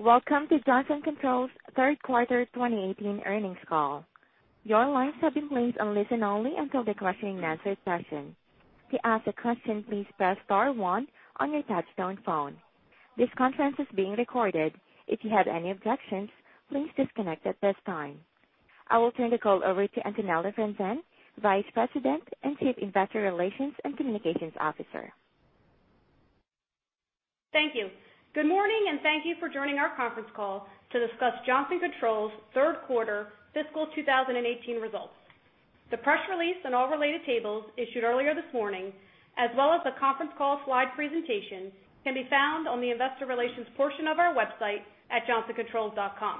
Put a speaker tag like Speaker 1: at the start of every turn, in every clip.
Speaker 1: Welcome to Johnson Controls third quarter 2018 earnings call. Your lines have been placed on listen-only until the question and answer session. To ask a question, please press star 1 on your touch-tone phone. This conference is being recorded. If you have any objections, please disconnect at this time. I will turn the call over to Antonella Franzen, Vice President and Chief Investor Relations and Communications Officer.
Speaker 2: Thank you. Good morning, and thank you for joining our conference call to discuss Johnson Controls third quarter fiscal 2018 results. The press release and all related tables issued earlier this morning, as well as the conference call slide presentation, can be found on the investor relations portion of our website at johnsoncontrols.com.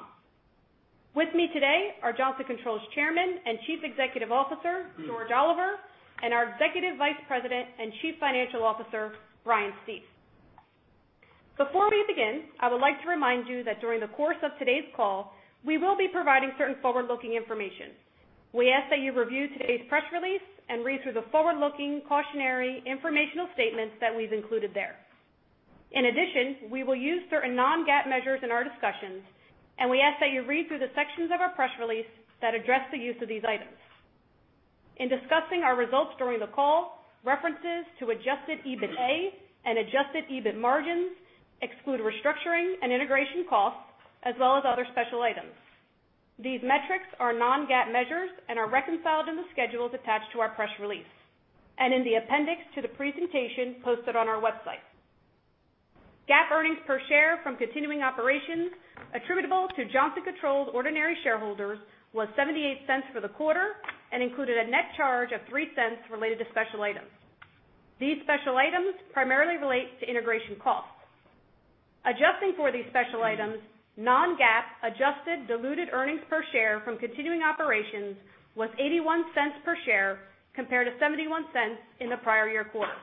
Speaker 2: With me today are Johnson Controls Chairman and Chief Executive Officer, George Oliver, and our Executive Vice President and Chief Financial Officer, Brian Stief. Before we begin, I would like to remind you that during the course of today's call, we will be providing certain forward-looking information. We ask that you review today's press release and read through the forward-looking cautionary informational statements that we've included there. In addition, we will use certain non-GAAP measures in our discussions, and we ask that you read through the sections of our press release that address the use of these items. In discussing our results during the call, references to adjusted EBITA and adjusted EBIT margins exclude restructuring and integration costs, as well as other special items. These metrics are non-GAAP measures and are reconciled in the schedules attached to our press release and in the appendix to the presentation posted on our website. GAAP earnings per share from continuing operations attributable to Johnson Controls ordinary shareholders was $0.78 for the quarter and included a net charge of $0.03 related to special items. These special items primarily relate to integration costs. Adjusting for these special items, non-GAAP adjusted diluted earnings per share from continuing operations was $0.81 per share compared to $0.71 in the prior year quarter.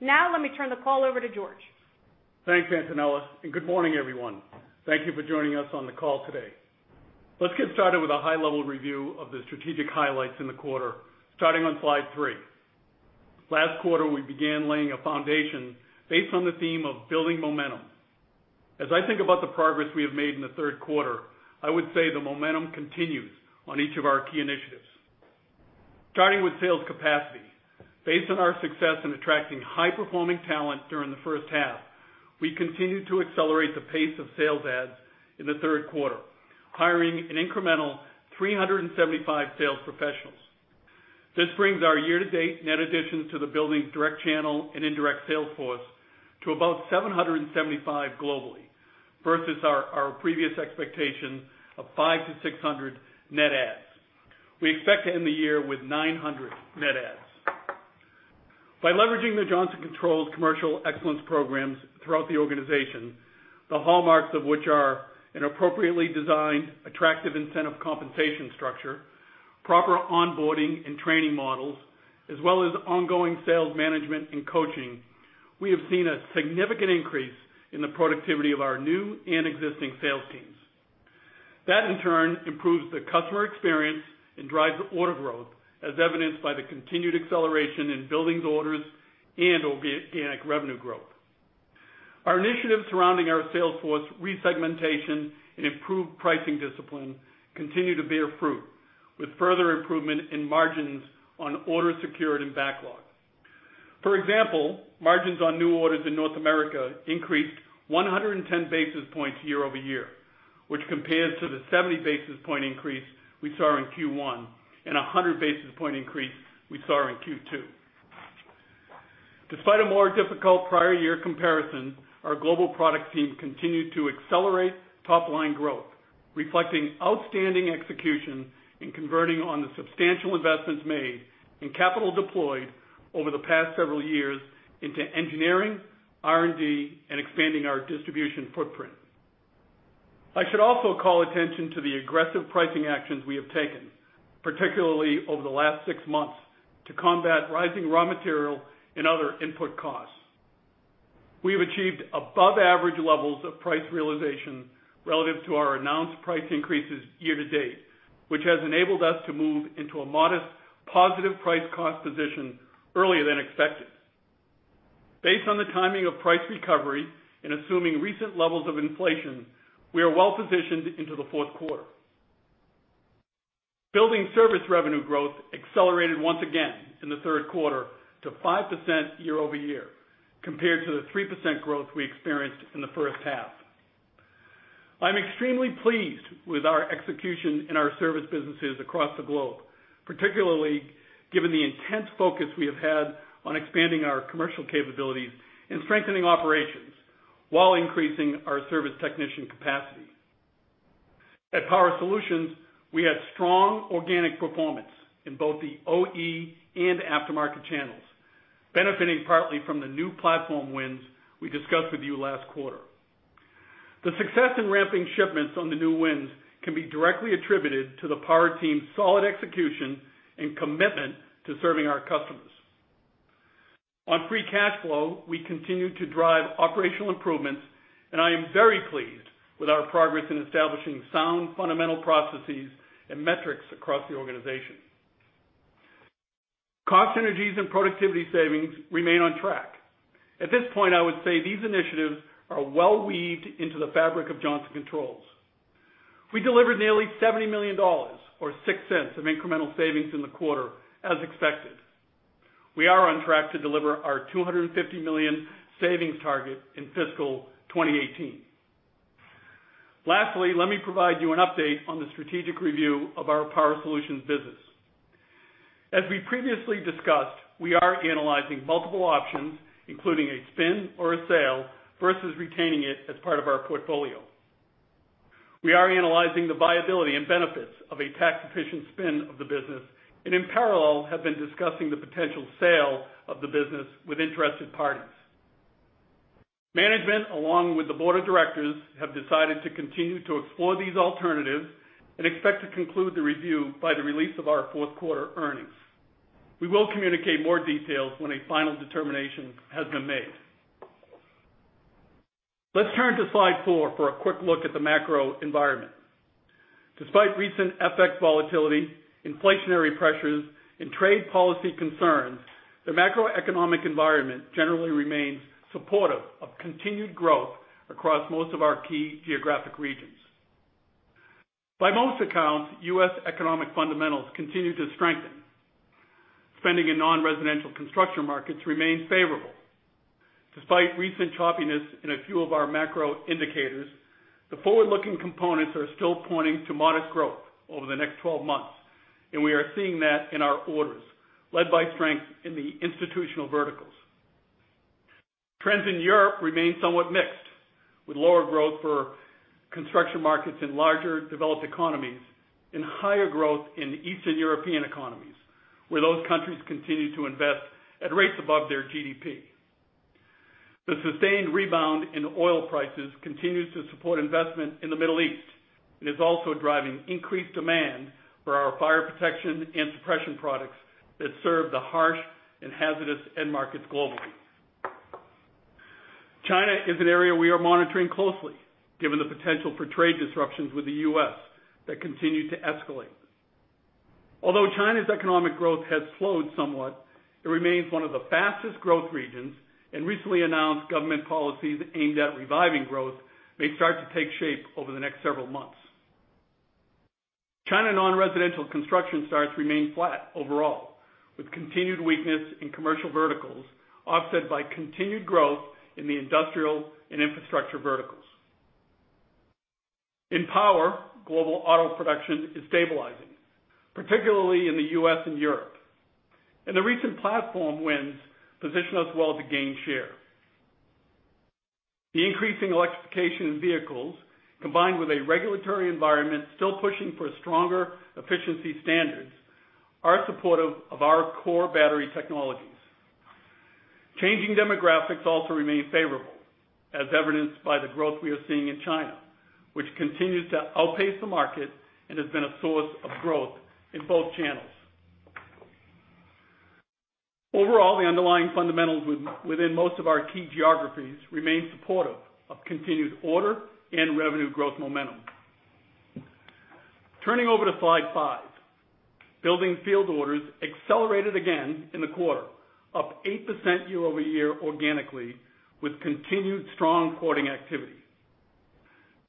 Speaker 2: Now let me turn the call over to George.
Speaker 3: Thanks, Antonella, and good morning, everyone. Thank you for joining us on the call today. Let's get started with a high-level review of the strategic highlights in the quarter, starting on slide three. Last quarter, we began laying a foundation based on the theme of building momentum. As I think about the progress we have made in the third quarter, I would say the momentum continues on each of our key initiatives. Starting with sales capacity. Based on our success in attracting high-performing talent during the first half, we continued to accelerate the pace of sales adds in the third quarter, hiring an incremental 375 sales professionals. This brings our year-to-date net additions to the buildings direct channel and indirect sales force to about 775 globally, versus our previous expectation of 500 to 600 net adds. We expect to end the year with 900 net adds. By leveraging the Johnson Controls commercial excellence programs throughout the organization, the hallmarks of which are an appropriately designed, attractive incentive compensation structure, proper onboarding and training models, as well as ongoing sales management and coaching, we have seen a significant increase in the productivity of our new and existing sales teams. That, in turn, improves the customer experience and drives order growth, as evidenced by the continued acceleration in buildings orders and organic revenue growth. Our initiatives surrounding our sales force resegmentation and improved pricing discipline continue to bear fruit, with further improvement in margins on orders secured and backlogs. For example, margins on new orders in North America increased 110 basis points year-over-year, which compares to the 70 basis point increase we saw in Q1 and 100 basis point increase we saw in Q2. Despite a more difficult prior year comparison, our global product team continued to accelerate top-line growth, reflecting outstanding execution in converting on the substantial investments made and capital deployed over the past several years into engineering, R&D, and expanding our distribution footprint. I should also call attention to the aggressive pricing actions we have taken, particularly over the last six months, to combat rising raw material and other input costs. We have achieved above average levels of price realization relative to our announced price increases year to date, which has enabled us to move into a modest positive price cost position earlier than expected. Based on the timing of price recovery and assuming recent levels of inflation, we are well positioned into the fourth quarter. Building service revenue growth accelerated once again in the third quarter to 5% year-over-year, compared to the 3% growth we experienced in the first half. I'm extremely pleased with our execution in our service businesses across the globe, particularly given the intense focus we have had on expanding our commercial capabilities and strengthening operations while increasing our service technician capacity. At Power Solutions, we had strong organic performance in both the OE and aftermarket channels, benefiting partly from the new platform wins we discussed with you last quarter. The success in ramping shipments on the new wins can be directly attributed to the Power team's solid execution and commitment to serving our customers. On free cash flow, we continued to drive operational improvements, and I am very pleased with our progress in establishing sound fundamental processes and metrics across the organization. Cost synergies and productivity savings remain on track. At this point, I would say these initiatives are well weaved into the fabric of Johnson Controls. We delivered nearly $70 million, or $0.06 of incremental savings in the quarter, as expected. We are on track to deliver our $250 million savings target in fiscal 2018. Lastly, let me provide you an update on the strategic review of our Power Solutions business. As we previously discussed, we are analyzing multiple options, including a spin or a sale versus retaining it as part of our portfolio. We are analyzing the viability and benefits of a tax-efficient spin of the business, and in parallel, have been discussing the potential sale of the business with interested parties. Management, along with the board of directors, have decided to continue to explore these alternatives and expect to conclude the review by the release of our fourth quarter earnings. We will communicate more details when a final determination has been made. Let's turn to slide four for a quick look at the macro environment. Despite recent FX volatility, inflationary pressures, and trade policy concerns, the macroeconomic environment generally remains supportive of continued growth across most of our key geographic regions. By most accounts, U.S. economic fundamentals continue to strengthen. Spending in non-residential construction markets remains favorable. Despite recent choppiness in a few of our macro indicators, the forward-looking components are still pointing to modest growth over the next 12 months, and we are seeing that in our orders, led by strength in the institutional verticals. Trends in Europe remain somewhat mixed, with lower growth for construction markets in larger developed economies and higher growth in Eastern European economies, where those countries continue to invest at rates above their GDP. The sustained rebound in oil prices continues to support investment in the Middle East and is also driving increased demand for our fire protection and suppression products that serve the harsh and hazardous end markets globally. China is an area we are monitoring closely, given the potential for trade disruptions with the U.S. that continue to escalate. Although China's economic growth has slowed somewhat, it remains one of the fastest growth regions, and recently announced government policies aimed at reviving growth may start to take shape over the next several months. China non-residential construction starts remain flat overall, with continued weakness in commercial verticals offset by continued growth in the industrial and infrastructure verticals. In power, global auto production is stabilizing, particularly in the U.S. and Europe, and the recent platform wins position us well to gain share. The increasing electrification of vehicles, combined with a regulatory environment still pushing for stronger efficiency standards, are supportive of our core battery technologies. Changing demographics also remain favorable, as evidenced by the growth we are seeing in China, which continues to outpace the market and has been a source of growth in both channels. Overall, the underlying fundamentals within most of our key geographies remain supportive of continued order and revenue growth momentum. Turning over to slide five. Buildings field orders accelerated again in the quarter, up 8% year-over-year organically, with continued strong quoting activity.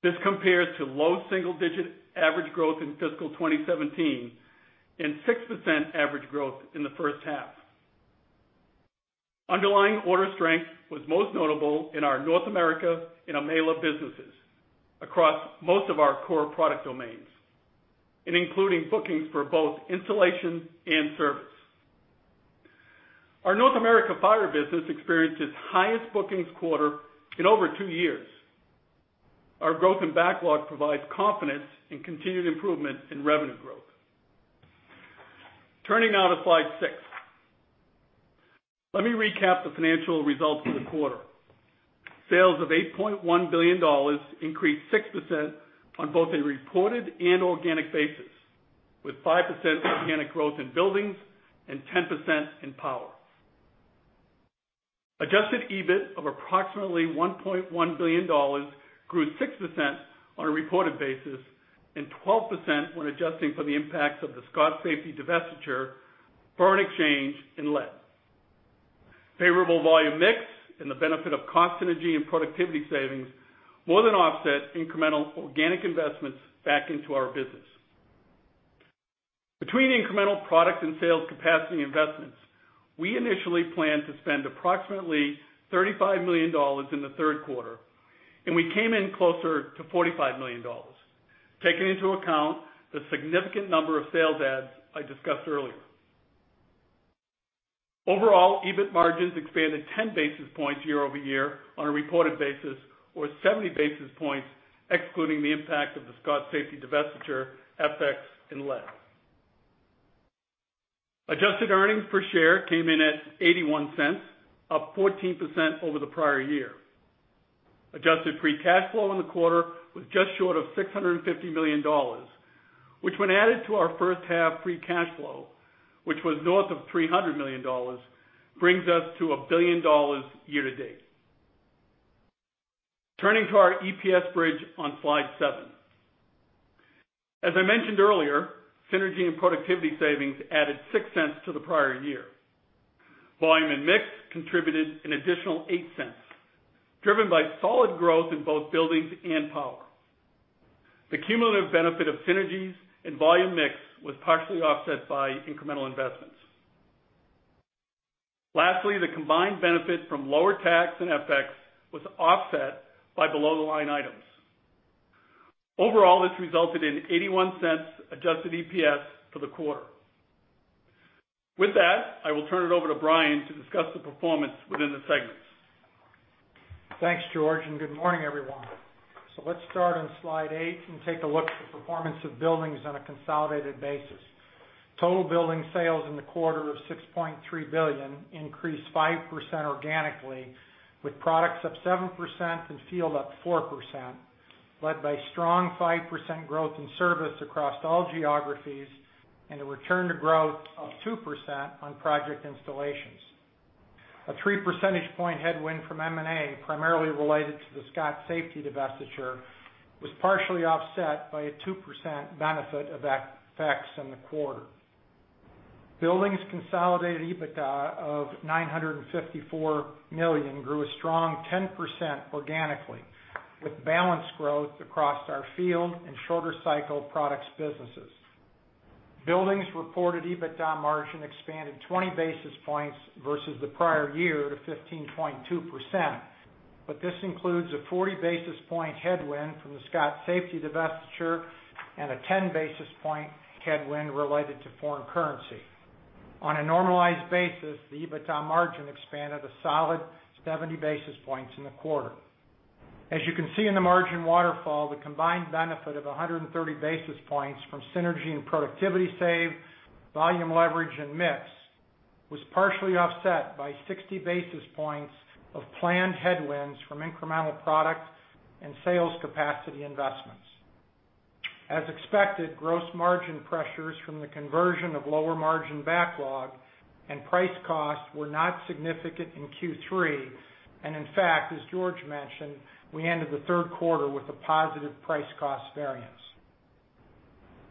Speaker 3: This compares to low single-digit average growth in fiscal 2017 and 6% average growth in the first half. Underlying order strength was most notable in our North America and EMEALA businesses across most of our core product domains, including bookings for both installation and service. Our North America fire business experienced its highest bookings quarter in over two years. Our growth and backlog provides confidence in continued improvement in revenue growth. Turning now to slide six. Let me recap the financial results for the quarter. Sales of $8.1 billion increased 6% on both a reported and organic basis, with 5% organic growth in Buildings and 10% in Power. Adjusted EBIT of approximately $1.1 billion grew 6% on a reported basis and 12% when adjusting for the impacts of the Scott Safety divestiture, foreign exchange, and lease. Favorable volume mix and the benefit of cost synergy and productivity savings more than offset incremental organic investments back into our business. Between incremental product and sales capacity investments, we initially planned to spend approximately $35 million in the third quarter, and we came in closer to $45 million, taking into account the significant number of sales adds I discussed earlier. Overall, EBIT margins expanded 10 basis points year-over-year on a reported basis or 70 basis points excluding the impact of the Scott Safety divestiture, FX, and lease. Adjusted earnings per share came in at $0.81, up 14% over the prior year. Adjusted free cash flow in the quarter was just short of $650 million, which when added to our first half free cash flow, which was north of $300 million, brings us to $1 billion year to date. Turning to our EPS bridge on slide seven. As I mentioned earlier, synergy and productivity savings added $0.06 to the prior year. Volume and mix contributed an additional $0.08, driven by solid growth in both Buildings and Power. The cumulative benefit of synergies and volume mix was partially offset by incremental investments. Lastly, the combined benefit from lower tax and FX was offset by below-the-line items. Overall, this resulted in $0.81 adjusted EPS for the quarter. With that, I will turn it over to Brian to discuss the performance within the segments.
Speaker 4: Thanks, George, and good morning, everyone. Let's start on slide eight and take a look at the performance of Buildings on a consolidated basis. Total Buildings sales in the quarter of $6.3 billion increased 5% organically, with products up 7% and field up 4%, led by strong 5% growth in service across all geographies and a return to growth of 2% on project installations. A 3 percentage point headwind from M&A, primarily related to the Scott Safety divestiture, was partially offset by a 2% benefit of FX in the quarter. Buildings' consolidated EBITDA of $954 million grew a strong 10% organically, with balanced growth across our field and shorter cycle products businesses. Buildings' reported EBITDA margin expanded 20 basis points versus the prior year to 15.2%, but this includes a 40 basis point headwind from the Scott Safety divestiture and a 10 basis point headwind related to foreign currency. On a normalized basis, the EBITDA margin expanded a solid 70 basis points in the quarter. As you can see in the margin waterfall, the combined benefit of 130 basis points from synergy and productivity save, volume leverage, and mix was partially offset by 60 basis points of planned headwinds from incremental product and sales capacity investments. As expected, gross margin pressures from the conversion of lower margin backlog and price costs were not significant in Q3. In fact, as George mentioned, we ended the third quarter with a positive price cost variance.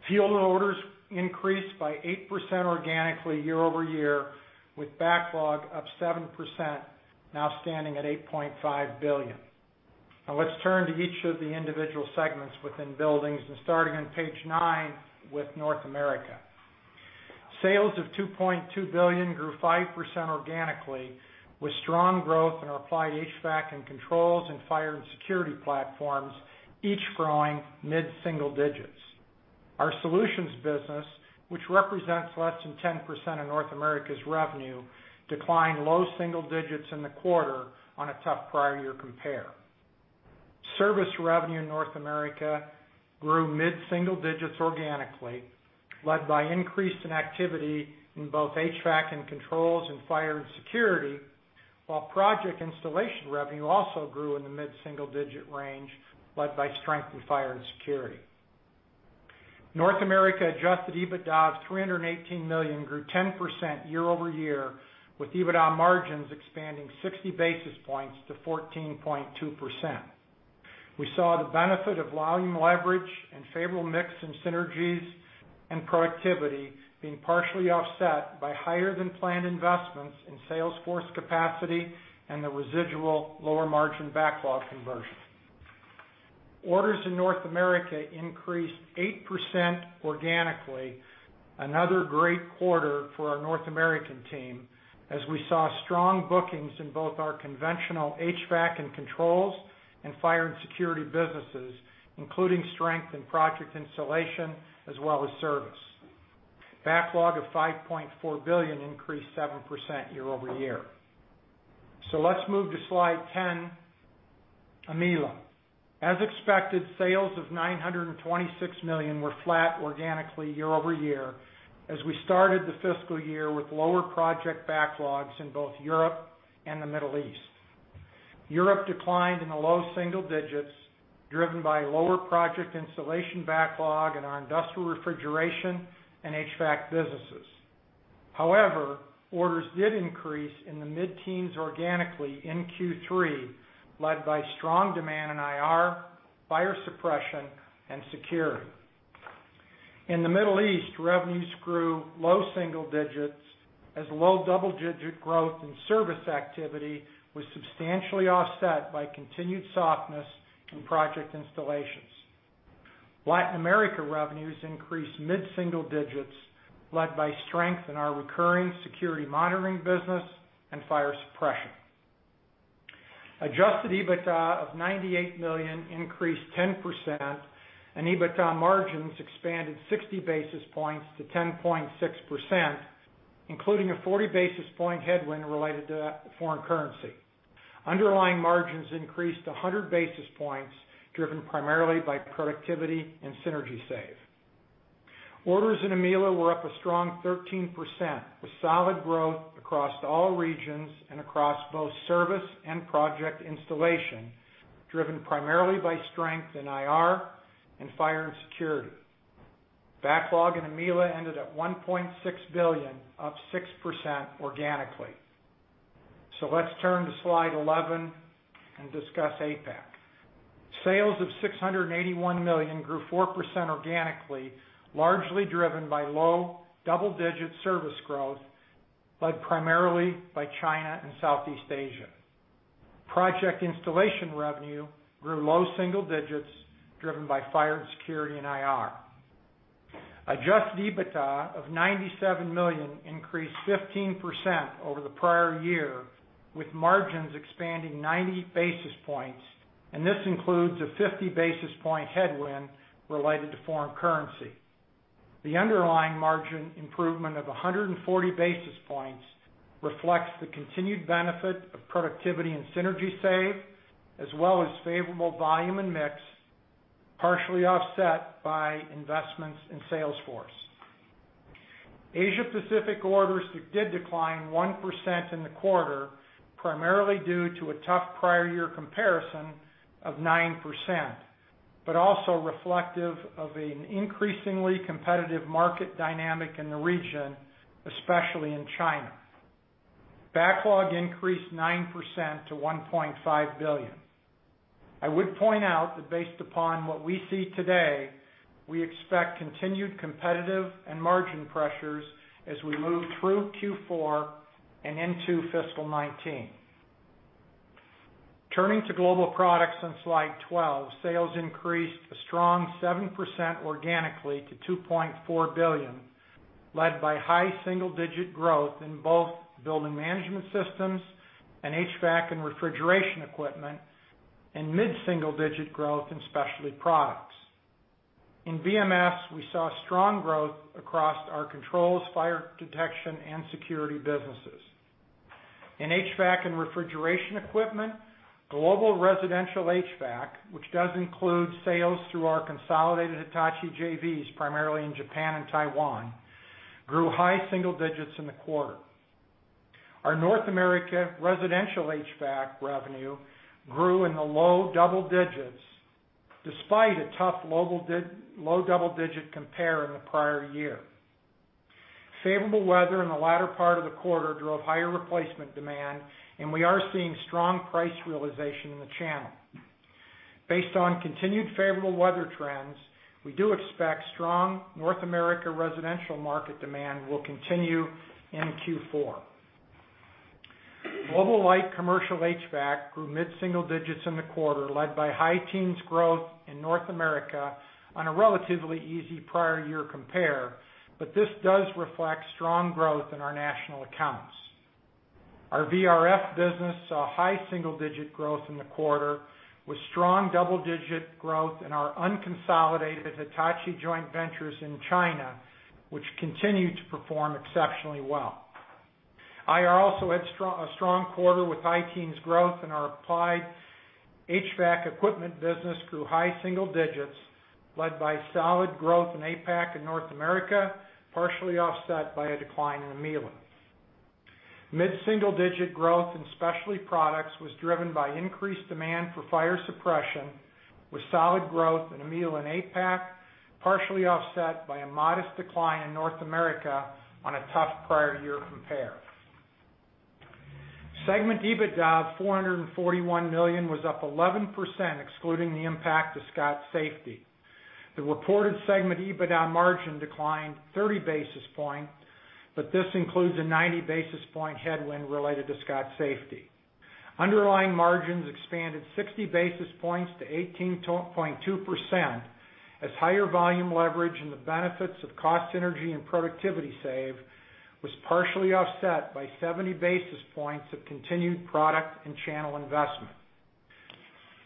Speaker 4: Field orders increased by 8% organically year-over-year, with backlog up 7%, now standing at $8.5 billion. Let's turn to each of the individual segments within buildings and starting on page nine with North America. Sales of $2.2 billion grew 5% organically, with strong growth in our applied HVAC and controls and fire and security platforms, each growing mid-single digits. Our solutions business, which represents less than 10% of North America's revenue, declined low single digits in the quarter on a tough prior year compare. Service revenue in North America grew mid-single digits organically, led by increase in activity in both HVAC and controls and fire and security, while project installation revenue also grew in the mid-single-digit range, led by strength in fire and security. North America adjusted EBITDA of $318 million grew 10% year-over-year, with EBITDA margins expanding 60 basis points to 14.2%. We saw the benefit of volume leverage and favorable mix in synergies and productivity being partially offset by higher than planned investments in sales force capacity and the residual lower margin backlog conversion. Orders in North America increased 8% organically. Another great quarter for our North American team, as we saw strong bookings in both our conventional HVAC and controls and fire and security businesses, including strength in project installation as well as service. Backlog of $5.4 billion increased 7% year-over-year. Let's move to slide 10, EMEA. As expected, sales of $926 million were flat organically year-over-year, as we started the fiscal year with lower project backlogs in both Europe and the Middle East. Europe declined in the low single digits, driven by lower project installation backlog in our Industrial Refrigeration and HVAC businesses. However, orders did increase in the mid-teens organically in Q3, led by strong demand in IR, fire suppression, and security. In the Middle East, revenues grew low single digits as low double-digit growth in service activity was substantially offset by continued softness in project installations. Latin America revenues increased mid-single digits, led by strength in our recurring security monitoring business and fire suppression. Adjusted EBITDA of $98 million increased 10%, and EBITDA margins expanded 60 basis points to 10.6%, including a 40 basis point headwind related to foreign currency. Underlying margins increased 100 basis points, driven primarily by productivity and synergy save. Orders in EMEA were up a strong 13%, with solid growth across all regions and across both service and project installation, driven primarily by strength in IR and fire and security. Backlog in EMEA ended at $1.6 billion, up 6% organically. Let's turn to slide 11 and discuss APAC. Sales of $681 million grew 4% organically, largely driven by low double-digit service growth, led primarily by China and Southeast Asia. Project installation revenue grew low single digits, driven by fire and security and IR. Adjusted EBITDA of $97 million increased 15% over the prior year, with margins expanding 90 basis points, and this includes a 50 basis point headwind related to foreign currency. The underlying margin improvement of 140 basis points reflects the continued benefit of productivity and synergy save, as well as favorable volume and mix, partially offset by investments in sales force. Asia-Pacific orders did decline 1% in the quarter, primarily due to a tough prior year comparison of 9%, but also reflective of an increasingly competitive market dynamic in the region, especially in China. Backlog increased 9% to $1.5 billion. I would point out that based upon what we see today, we expect continued competitive and margin pressures as we move through Q4 and into fiscal 2019. Turning to global products on slide 12, sales increased a strong 7% organically to $2.4 billion, led by high single-digit growth in both building management systems and HVAC and refrigeration equipment, and mid-single digit growth in specialty products. In BMS, we saw strong growth across our controls, fire detection, and security businesses. In HVAC and refrigeration equipment, global residential HVAC, which does include sales through our consolidated Hitachi JVs, primarily in Japan and Taiwan, grew high single digits in the quarter. Our North America residential HVAC revenue grew in the low double digits, despite a tough low double-digit compare in the prior year. Favorable weather in the latter part of the quarter drove higher replacement demand, and we are seeing strong price realization in the channel. Based on continued favorable weather trends, we do expect strong North America residential market demand will continue in Q4. Global light commercial HVAC grew mid-single digits in the quarter, led by high teens growth in North America on a relatively easy prior year compare, but this does reflect strong growth in our national accounts. Our VRF business saw high single-digit growth in the quarter, with strong double-digit growth in our unconsolidated Hitachi joint ventures in China, which continue to perform exceptionally well. IR also had a strong quarter with high teens growth, and our applied HVAC equipment business grew high single digits, led by solid growth in APAC and North America, partially offset by a decline in EMEA. Mid-single digit growth in specialty products was driven by increased demand for fire suppression, with solid growth in EMEA and APAC, partially offset by a modest decline in North America on a tough prior year compare. Segment EBITDA of $441 million was up 11%, excluding the impact of Scott Safety. The reported segment EBITDA margin declined 30 basis points, but this includes a 90 basis point headwind related to Scott Safety. Underlying margins expanded 60 basis points to 18.2%, as higher volume leverage and the benefits of cost synergy and productivity save was partially offset by 70 basis points of continued product and channel investment.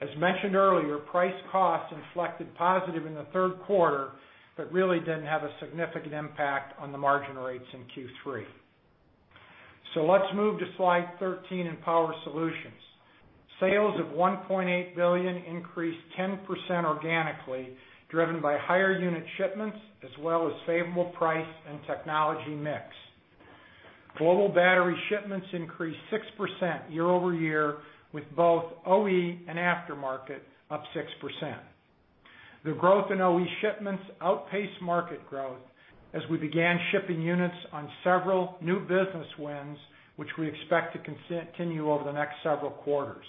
Speaker 4: As mentioned earlier, price cost inflected positive in the third quarter, but really didn't have a significant impact on the margin rates in Q3. Let's move to slide 13 in Power Solutions. Sales of $1.8 billion increased 10% organically, driven by higher unit shipments, as well as favorable price and technology mix. Global battery shipments increased 6% year-over-year, with both OE and aftermarket up 6%. The growth in OE shipments outpaced market growth as we began shipping units on several new business wins, which we expect to continue over the next several quarters.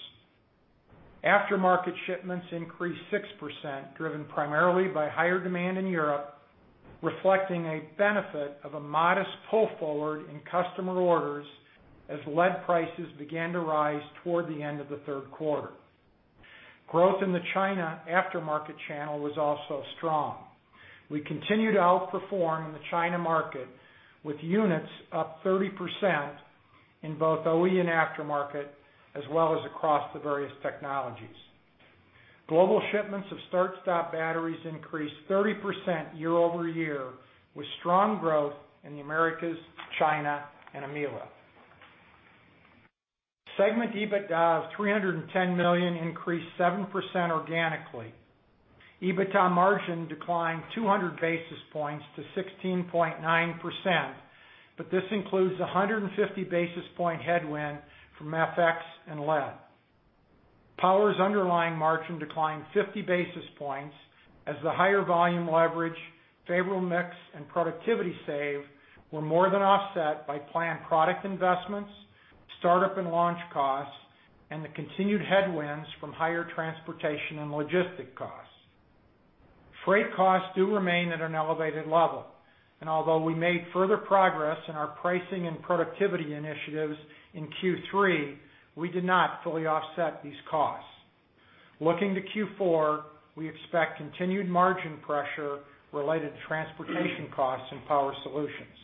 Speaker 4: Aftermarket shipments increased 6%, driven primarily by higher demand in Europe, reflecting a benefit of a modest pull forward in customer orders as lead prices began to rise toward the end of the third quarter. Growth in the China aftermarket channel was also strong. We continue to outperform in the China market, with units up 30% in both OE and aftermarket, as well as across the various technologies. Global shipments of start-stop batteries increased 30% year-over-year, with strong growth in the Americas, China, and EMEA. Segment EBITDA of $310 million increased 7% organically. EBITDA margin declined 200 basis points to 16.9%, but this includes 150 basis points headwind from FX and lead. Power Solutions' underlying margin declined 50 basis points as the higher volume leverage, favorable mix, and productivity save were more than offset by planned product investments, startup and launch costs, and the continued headwinds from higher transportation and logistics costs. Freight costs do remain at an elevated level, and although we made further progress in our pricing and productivity initiatives in Q3, we did not fully offset these costs. Turning to Q4, we expect continued margin pressure related to transportation costs and Power Solutions.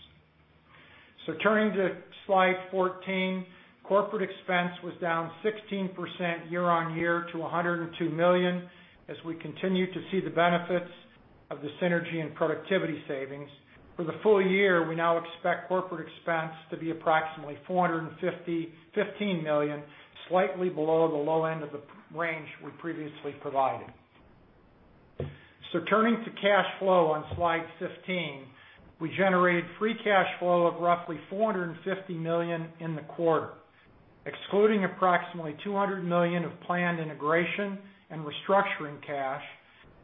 Speaker 4: Turning to slide 14, corporate expense was down 16% year-on-year to $102 million, as we continue to see the benefits of the synergy and productivity savings. For the full year, we now expect corporate expense to be approximately $415 million, slightly below the low end of the range we previously provided. Turning to cash flow on slide 15, we generated free cash flow of roughly $450 million in the quarter. Excluding approximately $200 million of planned integration and restructuring cash,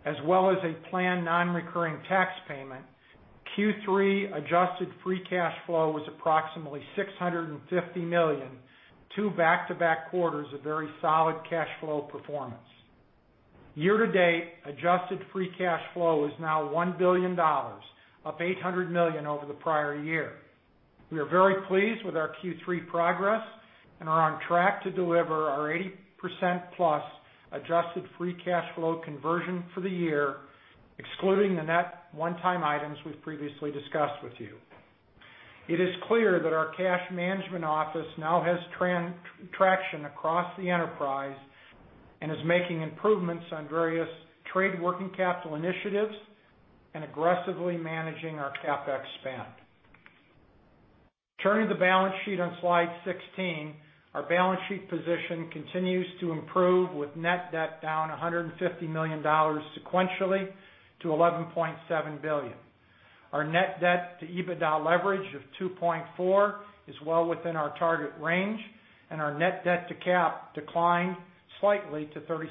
Speaker 4: as well as a planned non-recurring tax payment, Q3 adjusted free cash flow was approximately $650 million, two back-to-back quarters of very solid cash flow performance. Year to date, adjusted free cash flow is now $1 billion, up $800 million over the prior year. We are very pleased with our Q3 progress and are on track to deliver our 80%+ adjusted free cash flow conversion for the year, excluding the net one-time items we've previously discussed with you. It is clear that our cash management office now has traction across the enterprise and is making improvements on various trade working capital initiatives and aggressively managing our CapEx spend. Turning to the balance sheet on slide 16, our balance sheet position continues to improve with net debt down $150 million sequentially to $11.7 billion. Our net debt to EBITDA leverage of 2.4 is well within our target range, and our net debt to cap declined slightly to 36%.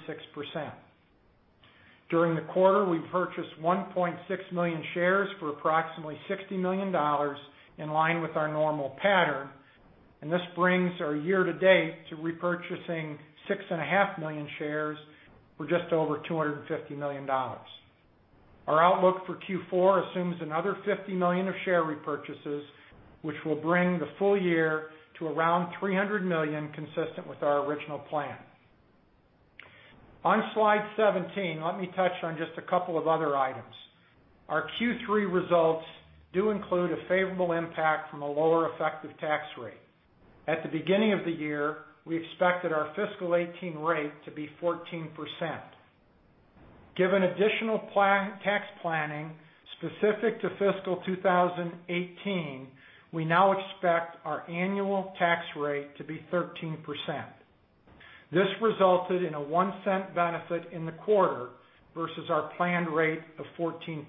Speaker 4: During the quarter, we purchased 1.6 million shares for approximately $60 million, in line with our normal pattern, and this brings our year to date to repurchasing six and a half million shares for just over $250 million. Our outlook for Q4 assumes another $50 million of share repurchases, which will bring the full year to around $300 million, consistent with our original plan. On slide 17, let me touch on just a couple of other items. Our Q3 results do include a favorable impact from a lower effective tax rate. At the beginning of the year, we expected our fiscal 2018 rate to be 14%. Given additional tax planning specific to fiscal 2018, we now expect our annual tax rate to be 13%. This resulted in a $0.01 benefit in the quarter versus our planned rate of 14%.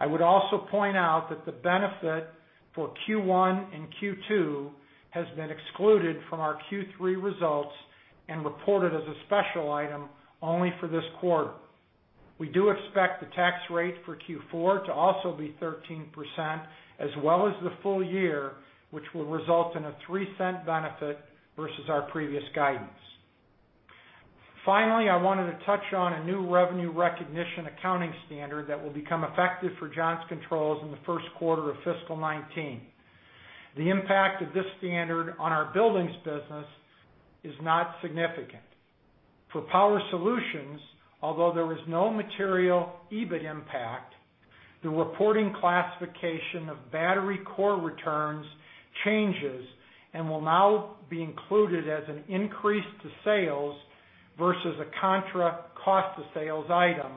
Speaker 4: I would also point out that the benefit for Q1 and Q2 has been excluded from our Q3 results and reported as a special item only for this quarter. We do expect the tax rate for Q4 to also be 13%, as well as the full year, which will result in a $0.03 benefit versus our previous guidance. I wanted to touch on a new revenue recognition accounting standard that will become effective for Johnson Controls in the first quarter of fiscal 2019. The impact of this standard on our buildings business is not significant. For Power Solutions, although there was no material EBIT impact, the reporting classification of battery core returns changes and will now be included as an increase to sales versus a contra cost of sales item,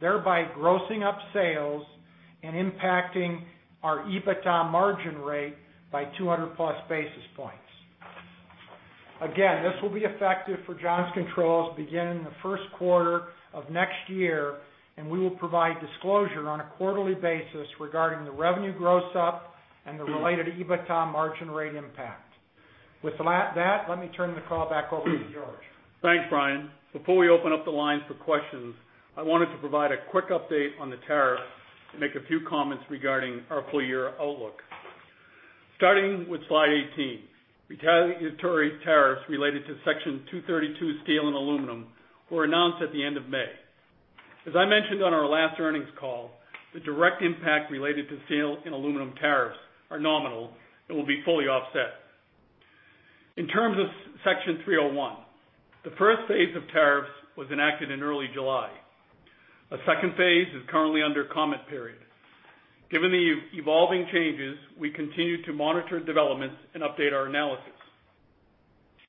Speaker 4: thereby grossing up sales and impacting our EBITDA margin rate by 200-plus basis points. Again, this will be effective for Johnson Controls beginning the first quarter of next year, and we will provide disclosure on a quarterly basis regarding the revenue gross up and the related EBITDA margin rate impact. With that, let me turn the call back over to George.
Speaker 3: Thanks, Brian. Before we open up the lines for questions, I wanted to provide a quick update on the tariff and make a few comments regarding our full-year outlook. Starting with slide 18, retaliatory tariffs related to Section 232 steel and aluminum were announced at the end of May. As I mentioned on our last earnings call, the direct impact related to steel and aluminum tariffs are nominal and will be fully offset. In terms of Section 301, the first phase of tariffs was enacted in early July. A second phase is currently under comment period. Given the evolving changes, we continue to monitor developments and update our analysis.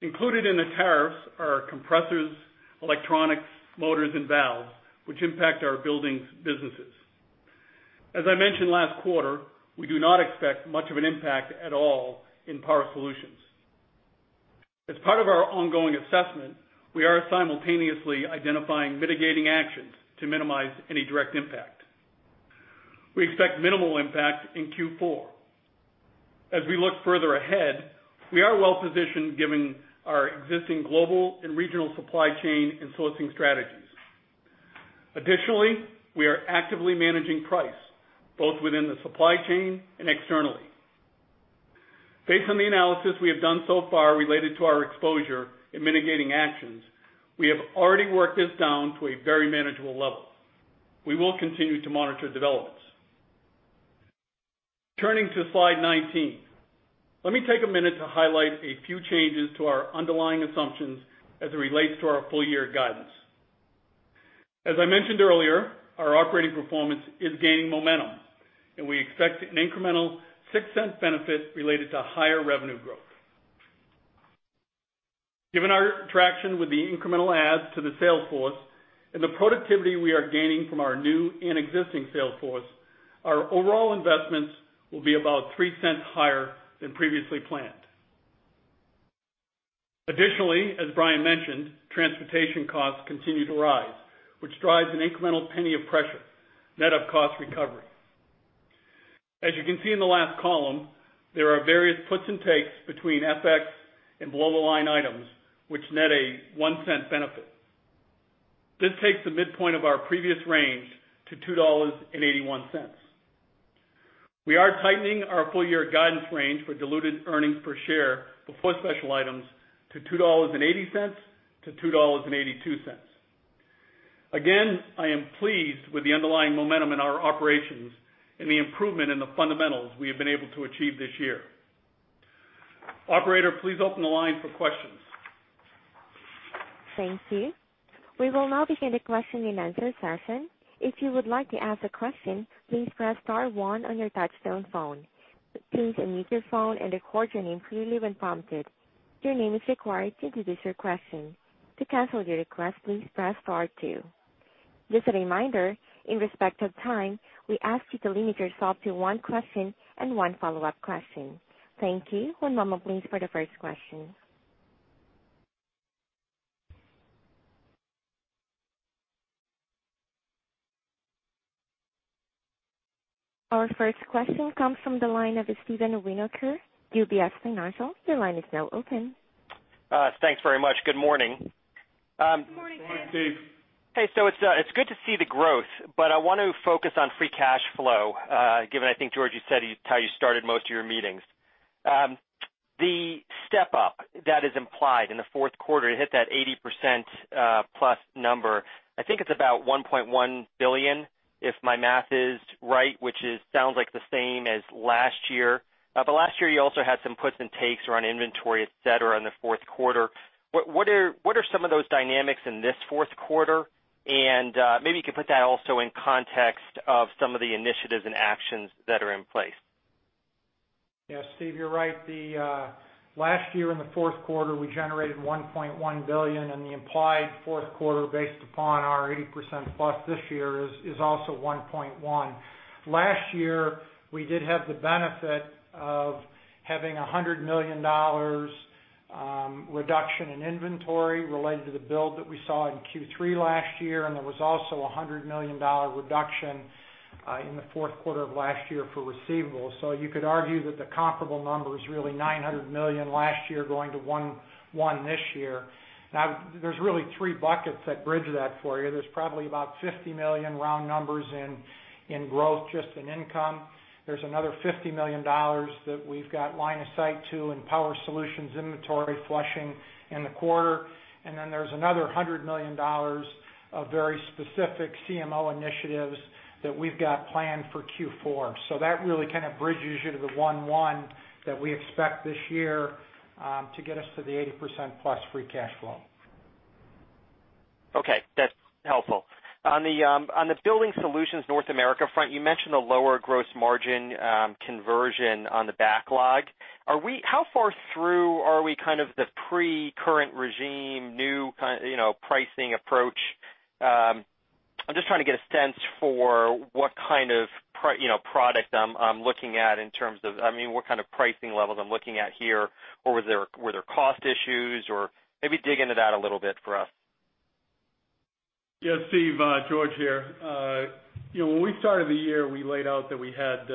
Speaker 3: Included in the tariffs are compressors, electronics, motors, and valves, which impact our buildings businesses. As I mentioned last quarter, we do not expect much of an impact at all in Power Solutions. As part of our ongoing assessment, we are simultaneously identifying mitigating actions to minimize any direct impact. We expect minimal impact in Q4. As we look further ahead, we are well-positioned given our existing global and regional supply chain and sourcing strategies. Additionally, we are actively managing price, both within the supply chain and externally. Based on the analysis we have done so far related to our exposure and mitigating actions, we have already worked this down to a very manageable level. We will continue to monitor developments. Turning to slide 19. Let me take a minute to highlight a few changes to our underlying assumptions as it relates to our full year guidance. As I mentioned earlier, our operating performance is gaining momentum, and we expect an incremental $0.06 benefit related to higher revenue growth. Given our traction with the incremental adds to the sales force and the productivity we are gaining from our new and existing sales force, our overall investments will be about $0.03 higher than previously planned. Additionally, as Brian mentioned, transportation costs continue to rise, which drives an incremental $0.01 of pressure, net of cost recovery. As you can see in the last column, there are various puts and takes between FX and below-the-line items, which net a $0.01 benefit. This takes the midpoint of our previous range to $2.81. We are tightening our full year guidance range for diluted earnings per share before special items to $2.80-$2.82. Again, I am pleased with the underlying momentum in our operations and the improvement in the fundamentals we have been able to achieve this year. Operator, please open the line for questions.
Speaker 1: Thank you. We will now begin the question and answer session. If you would like to ask a question, please press star one on your touchtone phone. Please unmute your phone and record your name clearly when prompted. Your name is required to introduce your question. To cancel your request, please press star two. Just a reminder, in respect of time, we ask you to limit yourself to one question and one follow-up question. Thank you. One moment please for the first question. Our first question comes from the line of Steve Winoker, UBS Financial. Your line is now open.
Speaker 5: Thanks very much. Good morning.
Speaker 3: Good morning, Steve.
Speaker 5: It's good to see the growth, but I want to focus on free cash flow, given I think, George, you said how you started most of your meetings. The step-up that is implied in the fourth quarter to hit that 80%+ number. I think it's about $1.1 billion if my math is right, which sounds like the same as last year. Last year you also had some puts and takes around inventory, et cetera, in the fourth quarter. What are some of those dynamics in this fourth quarter? Maybe you could put that also in context of some of the initiatives and actions that are in place.
Speaker 3: Yeah, Steve, you're right. Last year in the fourth quarter, we generated $1.1 billion and the implied fourth quarter based upon our 80%+ this year is also $1.1. Last year, we did have the benefit of having $100 million reduction in inventory related to the build that we saw in Q3 last year. There was also $100 million reduction in the fourth quarter of last year for receivables. You could argue that the comparable number is really $900 million last year going to $1.1 this year. Now, there's really three buckets that bridge that for you. There's probably about $50 million round numbers in growth, just in income. There's another $50 million that we've got line of sight to in Power Solutions inventory flushing in the quarter. Then there's another $100 million of very specific CMO initiatives that we've got planned for Q4. That really kind of bridges you to the $1.1 that we expect this year to get us to the 80%+ free cash flow.
Speaker 5: Okay. That's helpful. On the Building Solutions North America front, you mentioned the lower gross margin conversion on the backlog. How far through are we kind of the pre-current regime, new pricing approach? I'm just trying to get a sense for what kind of product I'm looking at in terms of, what kind of pricing levels I'm looking at here, or were there cost issues, or maybe dig into that a little bit for us.
Speaker 3: Yeah, Steve. George here. When we started the year, we laid out that we had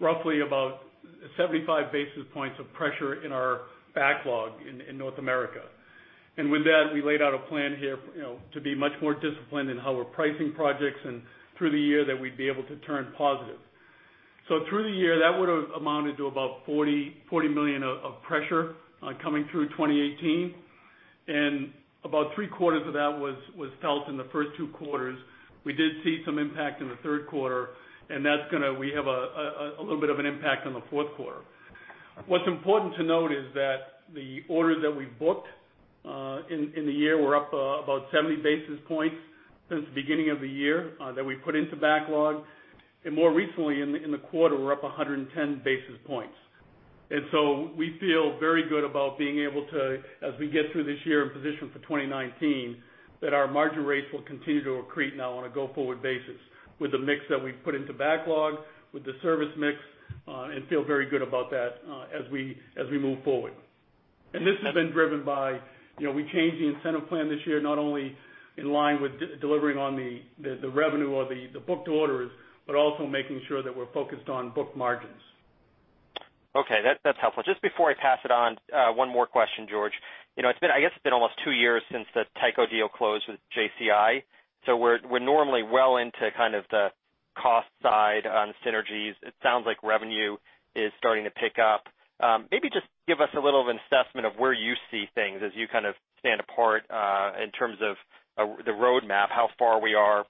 Speaker 3: roughly about 75 basis points of pressure in our backlog in North America. With that, we laid out a plan here to be much more disciplined in how we're pricing projects and through the year that we'd be able to turn positive. Through the year, that would've amounted to about $40 million of pressure coming through 2018, and about three quarters of that was felt in the first two quarters. We did see some impact in the third quarter, and we have a little bit of an impact on the fourth quarter. What's important to note is that the orders that we booked in the year were up about 70 basis points since the beginning of the year, that we put into backlog. More recently in the quarter, we're up 110 basis points. We feel very good about being able to, as we get through this year in position for 2019, that our margin rates will continue to accrete now on a go-forward basis with the mix that we've put into backlog, with the service mix, and feel very good about that as we move forward. This has been driven by, we changed the incentive plan this year, not only in line with delivering on the revenue or the book to orders, but also making sure that we're focused on book margins.
Speaker 5: Okay. That's helpful. Just before I pass it on, one more question, George. I guess it's been almost two years since the Tyco deal closed with JCI, so we're normally well into kind of the cost side on synergies. It sounds like revenue is starting to pick up. Maybe just give us a little of an assessment of where you see things as you kind of stand apart, in terms of the road map, how far we are,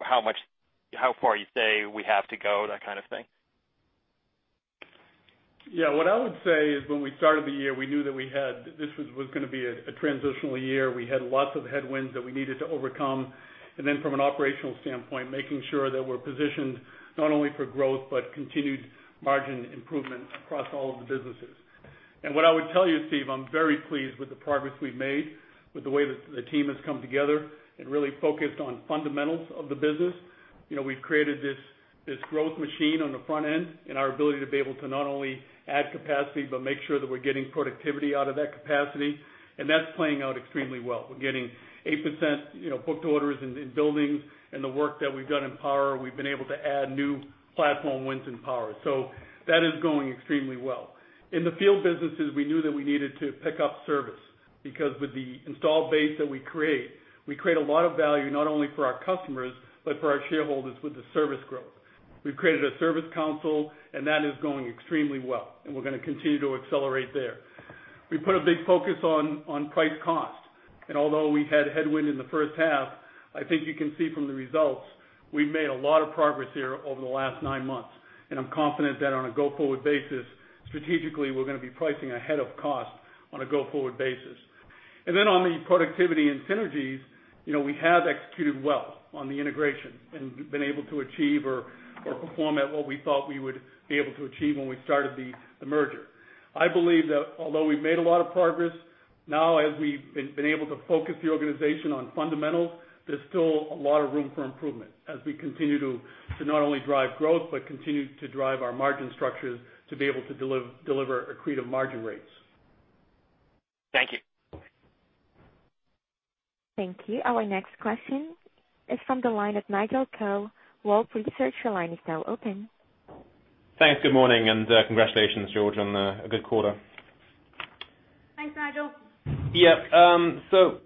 Speaker 5: how far you say we have to go, that kind of thing.
Speaker 3: Yeah. What I would say is, when we started the year, we knew that this was going to be a transitional year. We had lots of headwinds that we needed to overcome. From an operational standpoint, making sure that we're positioned not only for growth, but continued margin improvement across all of the businesses. What I would tell you, Steve, I'm very pleased with the progress we've made, with the way that the team has come together and really focused on fundamentals of the business. We've created this growth machine on the front end, and our ability to be able to not only add capacity, but make sure that we're getting productivity out of that capacity. That's playing out extremely well. We're getting 8% booked orders in buildings. The work that we've done in Power, we've been able to add new platform wins in Power. That is going extremely well. In the field businesses, we knew that we needed to pick up service, because with the installed base that we create, we create a lot of value, not only for our customers, but for our shareholders with the service growth. We've created a service council, and that is going extremely well, and we're going to continue to accelerate there. We put a big focus on price cost, and although we had headwind in the first half, I think you can see from the results, we've made a lot of progress here over the last nine months. I'm confident that on a go-forward basis, strategically, we're going to be pricing ahead of cost on a go-forward basis. On the productivity and synergies, we have executed well on the integration, and been able to achieve or perform at what we thought we would be able to achieve when we started the merger. I believe that although we've made a lot of progress, now, as we've been able to focus the organization on fundamentals, there's still a lot of room for improvement as we continue to not only drive growth, but continue to drive our margin structures to be able to deliver accretive margin rates.
Speaker 5: Thank you.
Speaker 1: Thank you. Our next question is from the line of Nigel Coe, Wolfe Research. Your line is now open.
Speaker 6: Thanks. Good morning, congratulations, George, on a good quarter.
Speaker 3: Thanks, Nigel.
Speaker 6: Yeah.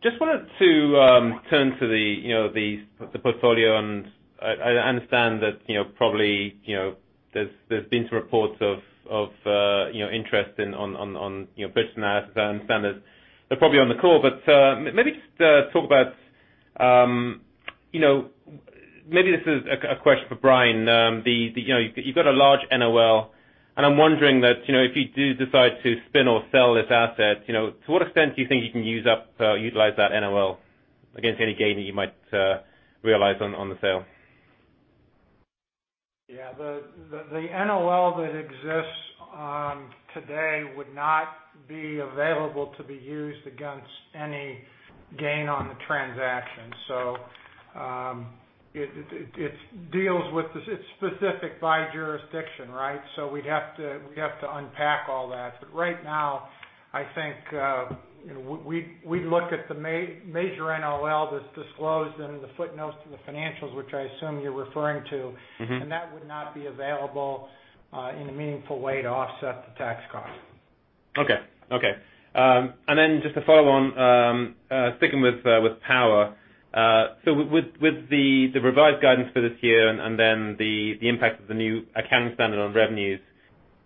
Speaker 6: Just wanted to turn to the portfolio, I understand that probably there's been some reports of interest on bits and atoms, I understand that they're probably on the call. Maybe this is a question for Brian. You've got a large NOL, I'm wondering that if you do decide to spin or sell this asset, to what extent do you think you can utilize that NOL against any gain that you might realize on the sale?
Speaker 4: Yeah. The NOL that exists today would not be available to be used against any gain on the transaction. It's specific by jurisdiction, right? We'd have to unpack all that. Right now, I think, we'd look at the major NOL that's disclosed in the footnotes to the financials, which I assume you're referring to. That would not be available in a meaningful way to offset the tax cost.
Speaker 6: Okay. Just to follow on, sticking with Power. With the revised guidance for this year and then the impact of the new accounting standard on revenues,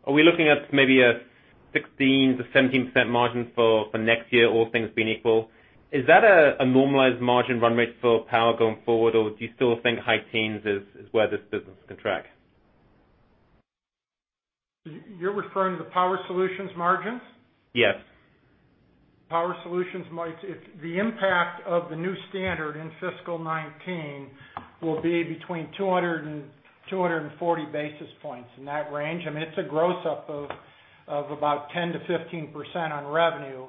Speaker 6: are we looking at maybe a 16%-17% margin for next year, all things being equal? Is that a normalized margin run rate for Power going forward, or do you still think high teens is where this business can track?
Speaker 4: You're referring to the Power Solutions margins?
Speaker 6: Yes.
Speaker 4: The impact of the new standard in fiscal 2019 will be between 200 and 240 basis points, in that range. I mean, it's a gross up of about 10%-15% on revenue.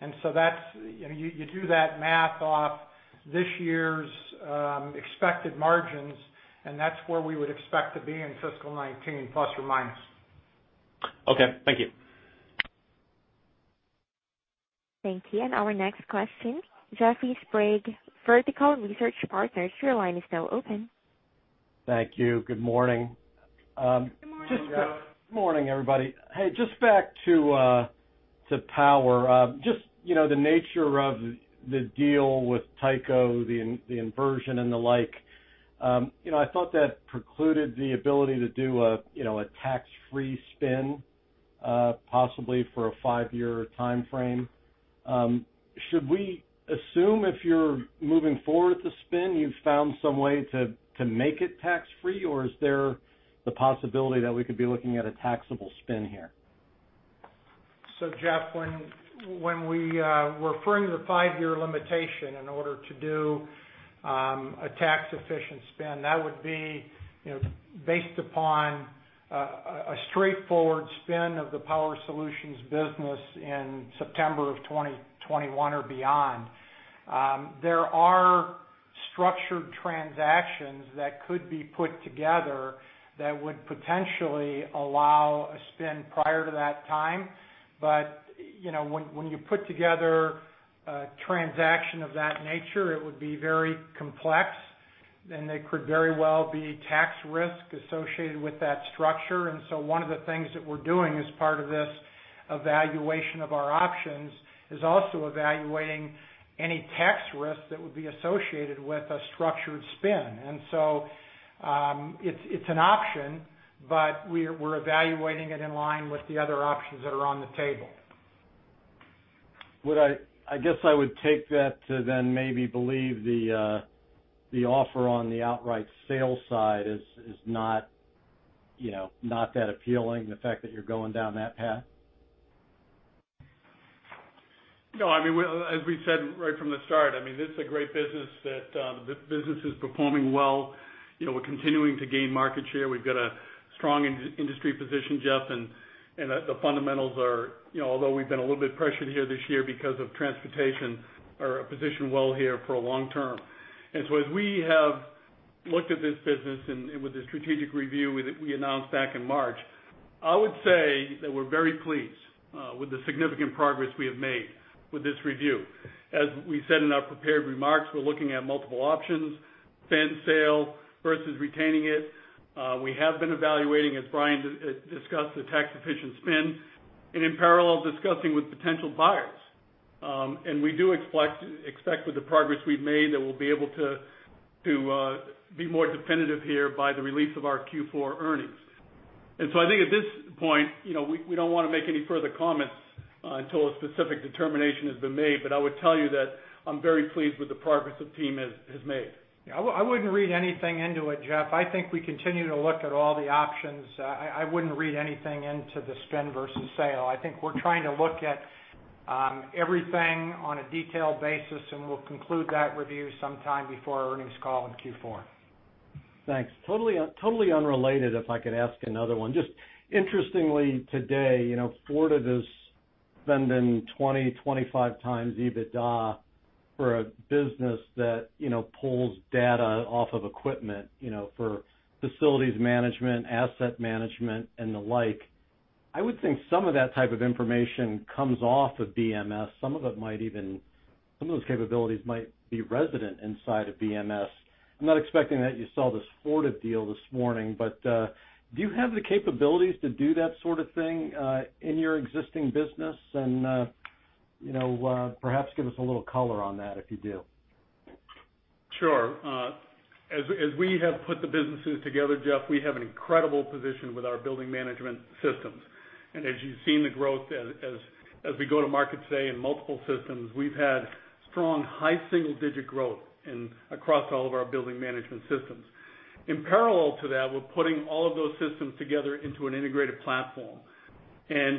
Speaker 4: You do that math off this year's expected margins, and that's where we would expect to be in fiscal 2019, plus or minus.
Speaker 6: Okay. Thank you.
Speaker 1: Thank you. Our next question, Jeffrey Sprague, Vertical Research Partners. Your line is now open.
Speaker 7: Thank you. Good morning.
Speaker 3: Good morning, Jeff.
Speaker 7: Morning, everybody. Hey, just back to Power. Just the nature of the deal with Tyco, the inversion and the like. I thought that precluded the ability to do a tax-free spin, possibly for a 5-year timeframe. Should we assume if you're moving forward with the spin, you've found some way to make it tax-free, or is there the possibility that we could be looking at a taxable spin here?
Speaker 4: Jeff, when we were referring to the 5-year limitation in order to do a tax-efficient spin, that would be based upon a straightforward spin of the Power Solutions business in September of 2021 or beyond. There are structured transactions that could be put together that would potentially allow a spin prior to that time. When you put together a transaction of that nature, it would be very complex, and there could very well be tax risk associated with that structure. One of the things that we're doing as part of this evaluation of our options is also evaluating any tax risk that would be associated with a structured spin. It's an option, we're evaluating it in line with the other options that are on the table.
Speaker 7: I guess I would take that to then maybe believe the offer on the outright sales side is not that appealing, the fact that you're going down that path.
Speaker 3: No. As we said right from the start, this is a great business. The business is performing well. We're continuing to gain market share. We've got a strong industry position, Jeff, the fundamentals are, although we've been a little bit pressured here this year because of transportation, are positioned well here for a long term. As we have looked at this business and with the strategic review we announced back in March, I would say that we're very pleased with the significant progress we have made with this review. As we said in our prepared remarks, we're looking at multiple options, spin, sale, versus retaining it. We have been evaluating, as Brian discussed, the tax efficient spin, in parallel, discussing with potential buyers. We do expect with the progress we've made, that we'll be able to be more definitive here by the release of our Q4 earnings. I think at this point, we don't want to make any further comments until a specific determination has been made. I would tell you that I'm very pleased with the progress the team has made.
Speaker 4: I wouldn't read anything into it, Jeff. I think we continue to look at all the options. I wouldn't read anything into the spin versus sale. I think we're trying to look at everything on a detailed basis, and we'll conclude that review sometime before our earnings call in Q4.
Speaker 7: Thanks. Totally unrelated, if I could ask another one. Just interestingly, today, Fortive is spending 20, 25 times EBITDA for a business that pulls data off of equipment for facilities management, asset management, and the like. I would think some of that type of information comes off of BMS. Some of those capabilities might be resident inside of BMS. I'm not expecting that you saw this Fortive deal this morning, but do you have the capabilities to do that sort of thing in your existing business? Perhaps give us a little color on that if you do.
Speaker 3: Sure. As we have put the businesses together, Jeff, we have an incredible position with our Building Management Systems. As you've seen the growth as we go to market today in multiple systems, we've had strong, high single-digit growth across all of our Building Management Systems. In parallel to that, we're putting all of those systems together into an integrated platform,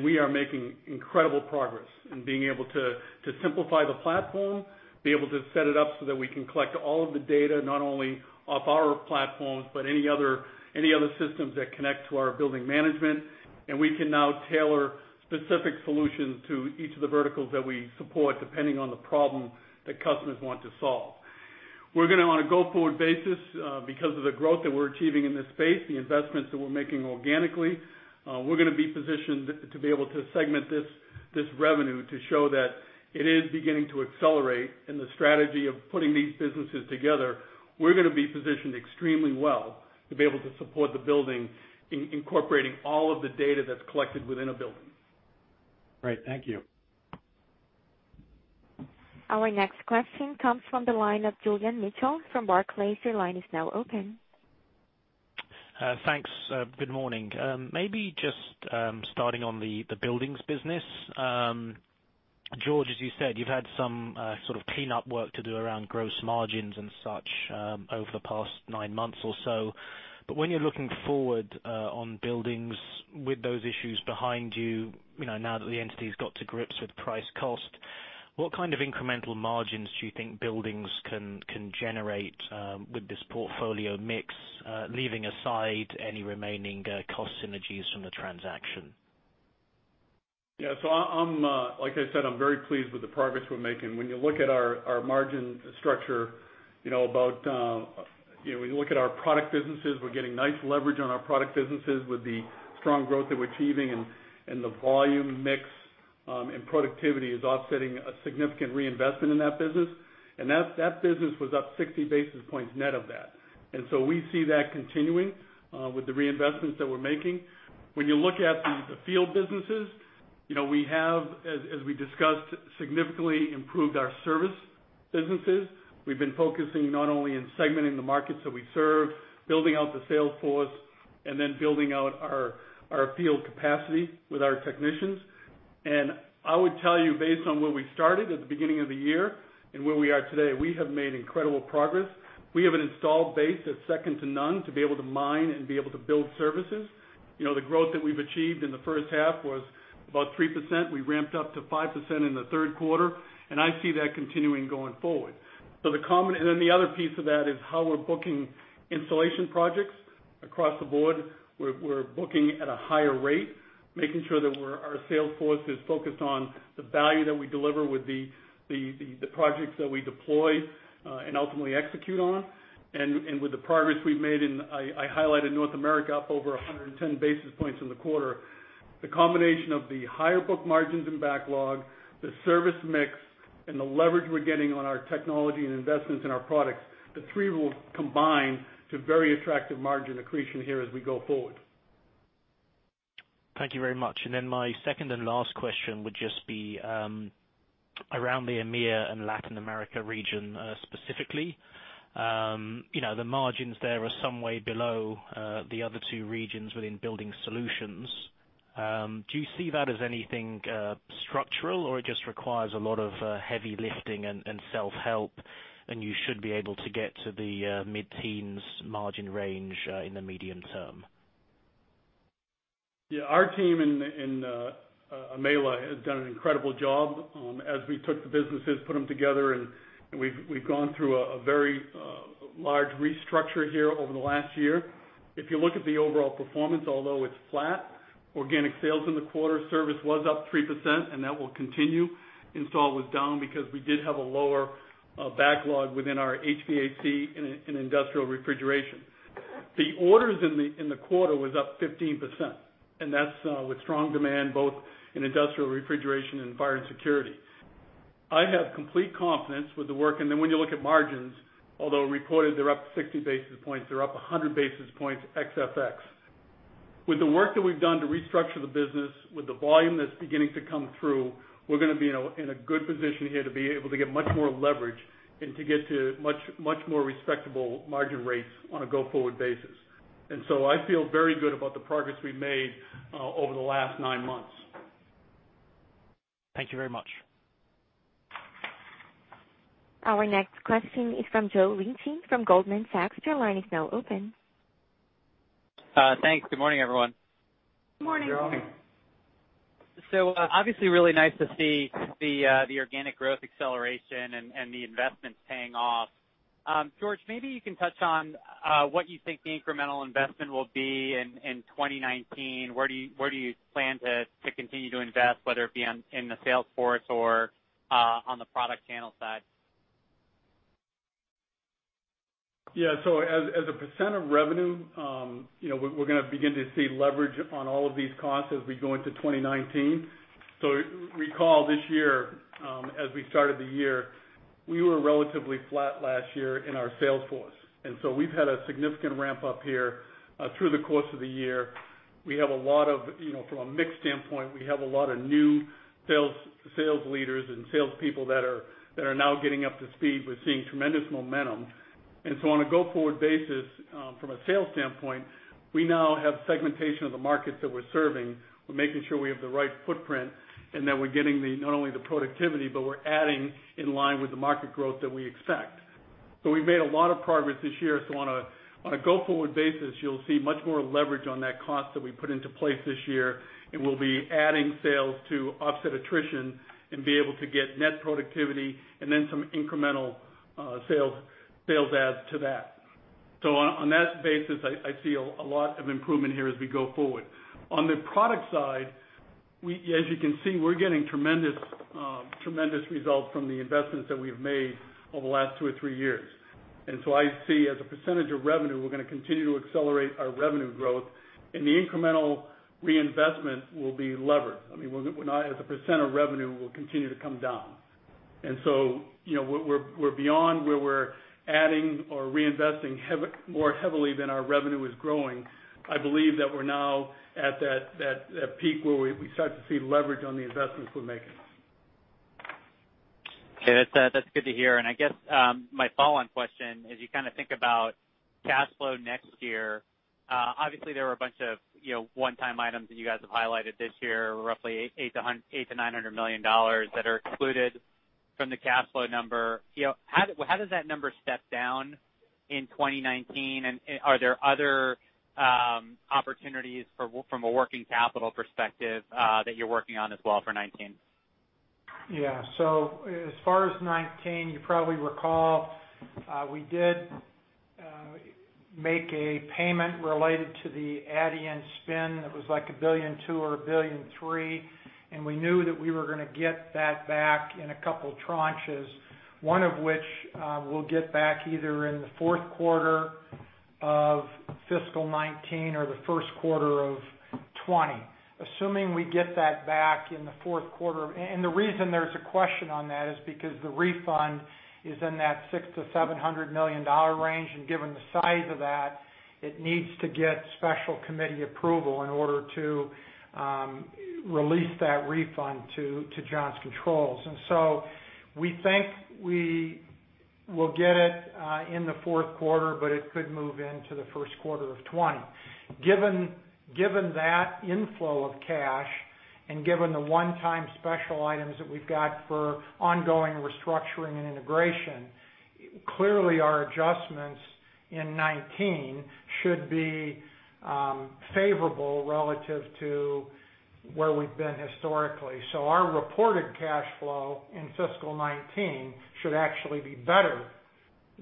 Speaker 3: we are making incredible progress in being able to simplify the platform, be able to set it up so that we can collect all of the data, not only off our platforms, but any other systems that connect to our building management. We can now tailor specific solutions to each of the verticals that we support, depending on the problem that customers want to solve. We're going to, on a go-forward basis, because of the growth that we're achieving in this space, the investments that we're making organically, we're going to be positioned to be able to segment this revenue to show that it is beginning to accelerate in the strategy of putting these businesses together. We're going to be positioned extremely well to be able to support the building, incorporating all of the data that's collected within a building.
Speaker 7: Great. Thank you.
Speaker 1: Our next question comes from the line of Julian Mitchell from Barclays. Your line is now open.
Speaker 8: Thanks. Good morning. Maybe just starting on the buildings business. George, as you said, you've had some sort of cleanup work to do around gross margins and such over the past nine months or so. When you're looking forward on buildings with those issues behind you, now that the entity's got to grips with price cost, what kind of incremental margins do you think buildings can generate with this portfolio mix, leaving aside any remaining cost synergies from the transaction?
Speaker 3: Yeah. Like I said, I'm very pleased with the progress we're making. When you look at our margin structure, when you look at our product businesses, we're getting nice leverage on our product businesses with the strong growth that we're achieving, and the volume mix and productivity is offsetting a significant reinvestment in that business. That business was up 60 basis points net of that. We see that continuing with the reinvestments that we're making. When you look at the field businesses, we have, as we discussed, significantly improved our service businesses. We've been focusing not only in segmenting the markets that we serve, building out the sales force, and then building out our field capacity with our technicians. I would tell you, based on where we started at the beginning of the year and where we are today, we have made incredible progress. We have an installed base that's second to none to be able to mine and be able to build services. The growth that we've achieved in the first half was about 3%. We ramped up to 5% in the third quarter. I see that continuing going forward. The other piece of that is how we're booking installation projects. Across the board, we're booking at a higher rate, making sure that our sales force is focused on the value that we deliver with the projects that we deploy and ultimately execute on. With the progress we've made in, I highlighted North America, up over 110 basis points in the quarter. The combination of the higher book margins and backlog, the service mix, and the leverage we're getting on our technology and investments in our products, the three will combine to very attractive margin accretion here as we go forward.
Speaker 8: Thank you very much. My second and last question would just be around the EMEA and Latin America region, specifically. The margins there are some way below the other two regions within Building Solutions. Do you see that as anything structural or it just requires a lot of heavy lifting and self-help, and you should be able to get to the mid-teens margin range, in the medium term?
Speaker 3: Our team in EMEALA has done an incredible job as we took the businesses, put them together, and we've gone through a very large restructure here over the last year. If you look at the overall performance, although it's flat, organic sales in the quarter, service was up 3%, and that will continue. Install was down because we did have a lower backlog within our HVAC and Industrial Refrigeration. The orders in the quarter was up 15%, and that's with strong demand both in Industrial Refrigeration and fire and security. I have complete confidence with the work. When you look at margins, although reported they're up 60 basis points, they're up 100 basis points ex FX. With the work that we've done to restructure the business, with the volume that's beginning to come through, we're going to be in a good position here to be able to get much more leverage and to get to much more respectable margin rates on a go-forward basis. I feel very good about the progress we've made over the last nine months.
Speaker 8: Thank you very much.
Speaker 1: Our next question is from Joe Ritchie from Goldman Sachs. Your line is now open.
Speaker 9: Thanks. Obviously really nice to see the organic growth acceleration and the investments paying off. George, maybe you can touch on what you think the incremental investment will be in 2019. Where do you plan to continue to invest, whether it be in the sales force or on the product channel side?
Speaker 3: Good morning.
Speaker 9: Good morning. Obviously really nice to see the organic growth acceleration and the investments paying off. George, maybe you can touch on what you think the incremental investment will be in 2019. Where do you plan to continue to invest, whether it be in the sales force or on the product channel side?
Speaker 3: As a percent of revenue, we're going to begin to see leverage on all of these costs as we go into 2019. Recall this year, as we started the year, we were relatively flat last year in our sales force. We've had a significant ramp-up here through the course of the year. From a mix standpoint, we have a lot of new sales leaders and salespeople that are now getting up to speed. We're seeing tremendous momentum. On a go-forward basis, from a sales standpoint, we now have segmentation of the markets that we're serving. We're making sure we have the right footprint and that we're getting not only the productivity, but we're adding in line with the market growth that we expect. We've made a lot of progress this year. On a go-forward basis, you'll see much more leverage on that cost that we put into place this year, and we'll be adding sales to offset attrition and be able to get net productivity and then some incremental sales adds to that. On that basis, I see a lot of improvement here as we go forward. On the product side, as you can see, we're getting tremendous results from the investments that we've made over the last two or three years. I see, as a percentage of revenue, we're going to continue to accelerate our revenue growth, and the incremental reinvestment will be levered. As a percent of revenue, we'll continue to come down. We're beyond where we're adding or reinvesting more heavily than our revenue is growing. I believe that we're now at that peak where we start to see leverage on the investments we're making.
Speaker 9: Okay. That's good to hear. I guess my follow-on question, as you kind of think about cash flow next year, obviously there were a bunch of one-time items that you guys have highlighted this year, roughly $800 million-$900 million, that are excluded from the cash flow number. How does that number step down in 2019? Are there other opportunities from a working capital perspective that you're working on as well for 2019?
Speaker 3: Yeah. As far as FY 2019, you probably recall, we did make a payment related to the Adient spin that was like $1.2 billion or $1.3 billion. We knew that we were going to get that back in a couple tranches, one of which we'll get back either in the fourth quarter of FY 2019 or the first quarter of 2020. Assuming we get that back in the fourth quarter. The reason there's a question on that is because the refund is in that $600 million to $700 million range, and given the size of that, it needs to get special committee approval in order to release that refund to Johnson Controls. We think we will get it in the fourth quarter, but it could move into the first quarter of 2020. Given that inflow of cash and given the one-time special items that we've got for ongoing restructuring and integration, clearly our adjustments in 2019 should be favorable relative to where we've been historically. Our reported cash flow in FY 2019 should actually be better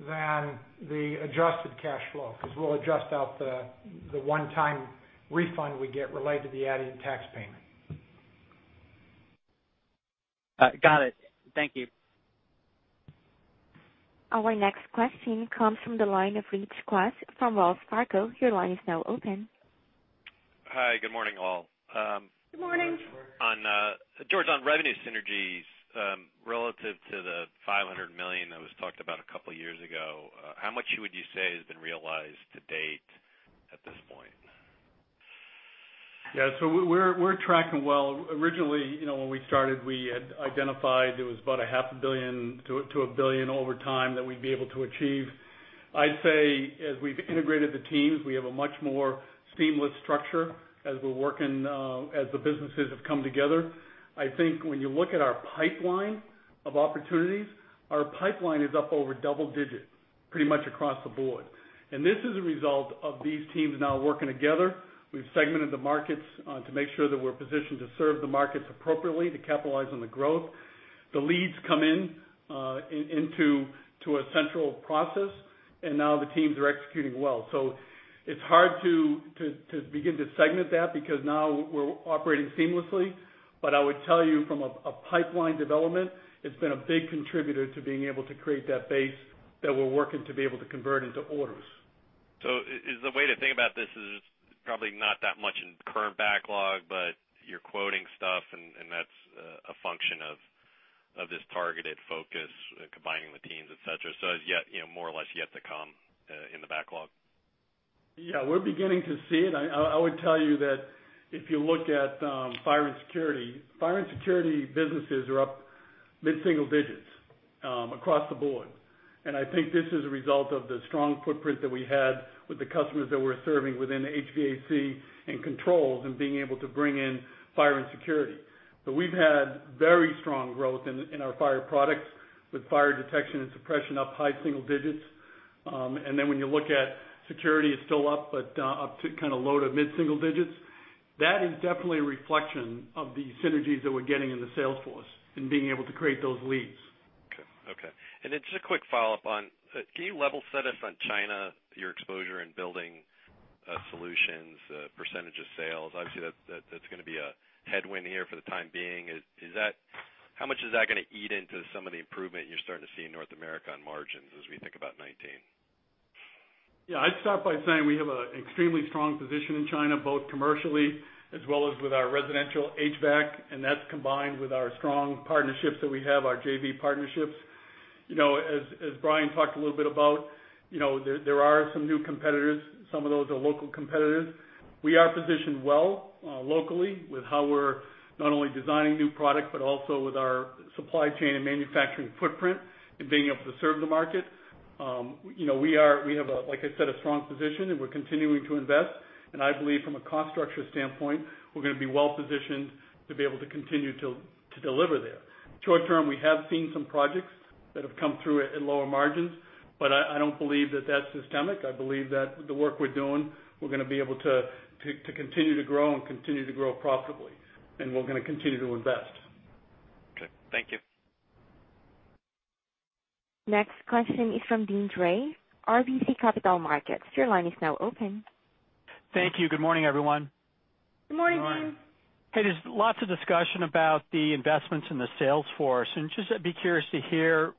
Speaker 3: than the adjusted cash flow, because we'll adjust out the one-time refund we get related to the Adient tax payment.
Speaker 9: Got it. Thank you.
Speaker 1: Our next question comes from the line of Richard Kwas from Wells Fargo. Your line is now open.
Speaker 10: Hi. Good morning, all.
Speaker 3: Good morning.
Speaker 10: George, on revenue synergies, relative to the $500 million that was talked about a couple of years ago, how much would you say has been realized to date at this point?
Speaker 3: Yeah, we're tracking well. Originally, when we started, we had identified it was about a half a billion to a billion over time that we'd be able to achieve. I'd say, as we've integrated the teams, we have a much more seamless structure as we're working, as the businesses have come together. I think when you look at our pipeline of opportunities, our pipeline is up over double digits pretty much across the board. This is a result of these teams now working together. We've segmented the markets to make sure that we're positioned to serve the markets appropriately to capitalize on the growth. The leads come in to a central process, now the teams are executing well. It's hard to begin to segment that because now we're operating seamlessly. I would tell you from a pipeline development, it's been a big contributor to being able to create that base that we're working to be able to convert into orders.
Speaker 10: Is the way to think about this is probably not that much in current backlog, but you're quoting stuff, and that's a function of this targeted focus, combining the teams, et cetera. It's more or less yet to come, in the backlog.
Speaker 3: We're beginning to see it. I would tell you that if you look at fire and security, fire and security businesses are up mid-single digits across the board. I think this is a result of the strong footprint that we had with the customers that we're serving within HVAC and controls, and being able to bring in fire and security. We've had very strong growth in our fire products, with fire detection and suppression up high single digits. Then when you look at security, it's still up, but up to kind of low to mid-single digits. That is definitely a reflection of the synergies that we're getting in the sales force and being able to create those leads.
Speaker 10: Just a quick follow-up on, can you level set us on China, your exposure in building solutions, percentage of sales? Obviously, that's going to be a headwind here for the time being. How much is that going to eat into some of the improvement you're starting to see in North America on margins as we think about 2019?
Speaker 3: Yeah, I'd start by saying we have an extremely strong position in China, both commercially as well as with our residential HVAC, that's combined with our strong partnerships that we have, our JV partnerships. As Brian talked a little bit about, there are some new competitors. Some of those are local competitors. We are positioned well locally with how we're not only designing new products, but also with our supply chain and manufacturing footprint and being able to serve the market. We have, like I said, a strong position, and we're continuing to invest. I believe from a cost structure standpoint, we're going to be well-positioned to be able to continue to deliver there. Short term, we have seen some projects that have come through at lower margins, I don't believe that that's systemic. I believe that with the work we're doing, we're going to be able to continue to grow and continue to grow profitably, we're going to continue to invest.
Speaker 10: Okay. Thank you.
Speaker 1: Next question is from Deane Dray, RBC Capital Markets. Your line is now open.
Speaker 11: Thank you. Good morning, everyone.
Speaker 3: Good morning. Good morning.
Speaker 11: Hey, there's lots of discussion about the investments in the sales force, just I'd be curious to hear,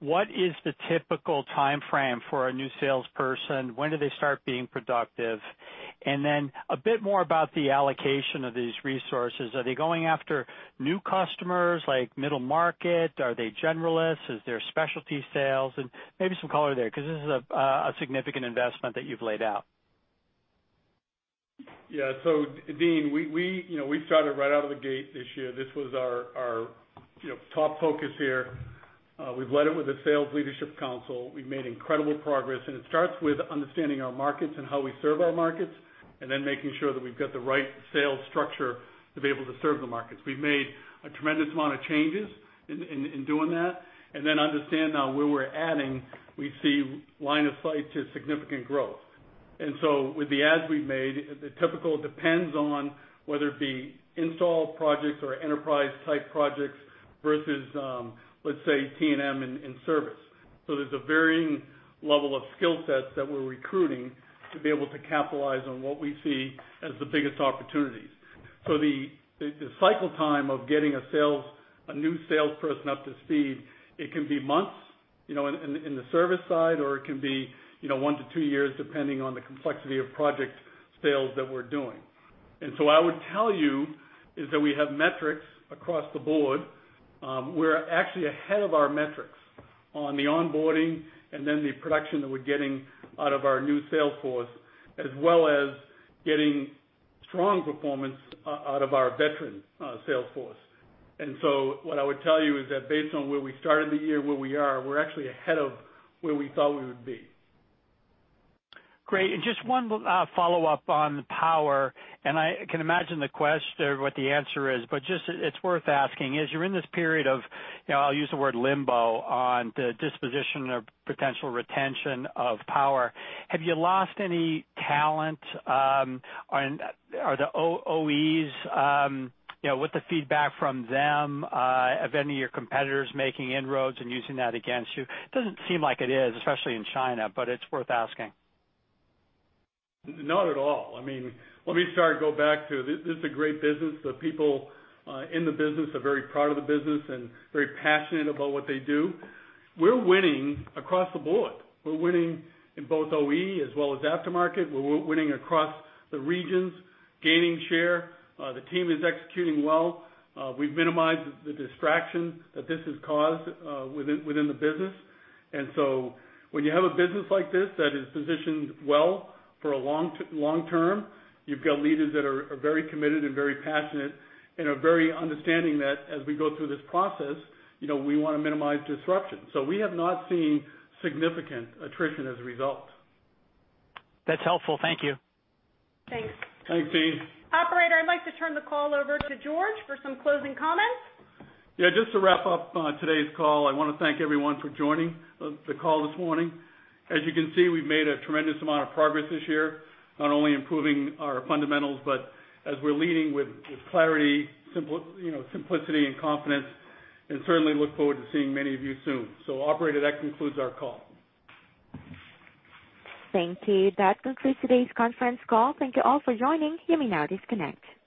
Speaker 11: what is the typical timeframe for a new salesperson? When do they start being productive? Then a bit more about the allocation of these resources. Are they going after new customers, like middle market? Are they generalists? Is there specialty sales? Maybe some color there, because this is a significant investment that you've laid out.
Speaker 3: Yeah. Deane, we started right out of the gate this year. This was our top focus here. We've led it with the sales leadership council. We've made incredible progress. It starts with understanding our markets and how we serve our markets, then making sure that we've got the right sales structure to be able to serve the markets. We've made a tremendous amount of changes in doing that, then understand now where we're adding, we see line of sight to significant growth. With the adds we've made, the typical depends on whether it be install projects or enterprise type projects versus, let's say, T&M and service. There's a varying level of skill sets that we're recruiting to be able to capitalize on what we see as the biggest opportunities. The cycle time of getting a new salesperson up to speed, it can be months in the service side, or it can be one to two years, depending on the complexity of project sales that we're doing. I would tell you is that we have metrics across the board. We're actually ahead of our metrics on the onboarding, the production that we're getting out of our new sales force, as well as getting strong performance out of our veteran sales force. What I would tell you is that based on where we started the year, where we are, we're actually ahead of where we thought we would be.
Speaker 11: Great. Just one follow-up on Power, I can imagine what the answer is, just, it's worth asking is, you're in this period of, I'll use the word limbo on the disposition or potential retention of Power. Have you lost any talent? Are the OEs, with the feedback from them, have any of your competitors making inroads and using that against you? It doesn't seem like it is, especially in China, it's worth asking.
Speaker 3: Not at all. This is a great business. The people in the business are very proud of the business and very passionate about what they do. We're winning across the board. We're winning in both OE as well as aftermarket. We're winning across the regions, gaining share. The team is executing well. We've minimized the distraction that this has caused within the business. When you have a business like this that is positioned well for long term, you've got leaders that are very committed and very passionate and are very understanding that as we go through this process, we want to minimize disruption. We have not seen significant attrition as a result.
Speaker 11: That's helpful. Thank you.
Speaker 3: Thanks, Deane.
Speaker 2: Operator, I'd like to turn the call over to George for some closing comments.
Speaker 3: Yeah, just to wrap up today's call, I want to thank everyone for joining the call this morning. As you can see, we've made a tremendous amount of progress this year, not only improving our fundamentals, but as we're leading with clarity, simplicity, and confidence, and certainly look forward to seeing many of you soon. Operator, that concludes our call.
Speaker 1: Thank you. That concludes today's conference call. Thank you all for joining. You may now disconnect.